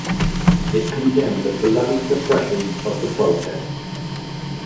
It condemned the bloody suppression of the protest.